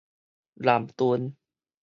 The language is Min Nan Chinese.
南屯